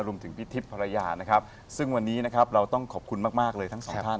พี่ทิพย์ภรรยานะครับซึ่งวันนี้นะครับเราต้องขอบคุณมากมากเลยทั้งสองท่าน